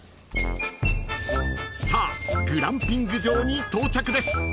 ［さあグランピング場に到着です］